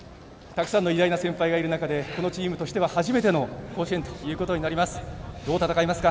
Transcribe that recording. たくさんの偉大な先輩がいる中でこのチームとしては初めての甲子園となります。